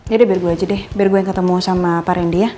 yaudah biar gue aja deh biar gue yang ketemu sama pak rendy ya